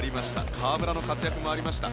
河村の活躍もありました。